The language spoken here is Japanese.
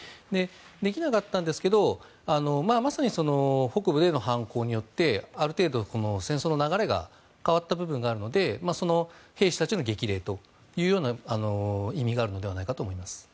できなかったんですがまさに北部への反攻によってある程度の戦争の流れが変わった部分もあるので兵士たちの激励というような意味があるのではないかと思います。